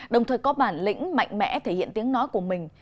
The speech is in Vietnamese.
đồng thời có bản lĩnh mạnh mẽ thể hiện tiếng nói của mình